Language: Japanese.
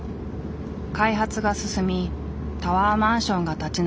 開発が進みタワーマンションが立ち並ぶ人気の地区。